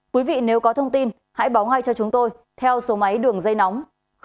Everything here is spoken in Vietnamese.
quý vị nếu có thông tin hãy báo ngay cho chúng tôi theo số máy đường dây nóng sáu mươi chín hai nghìn ba trăm bốn mươi bốn